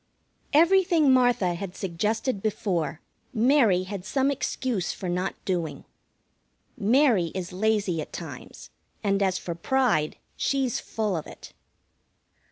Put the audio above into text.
Everything Martha had suggested before, Mary had some excuse for not doing. Mary is lazy at times, and, as for pride, she's full of it.